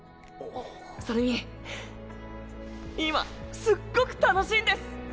それに今すっごく楽しいんです！